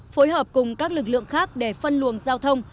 phối hợp cùng các lực lượng khác để phân luồng giao thông